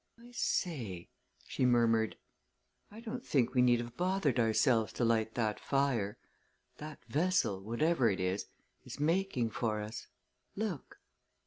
"I say!" she murmured. "I don't think we need have bothered ourselves to light that fire. That vessel, whatever it is, is making for us. Look!"